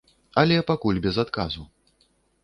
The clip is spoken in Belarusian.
Але пакуль без адказу.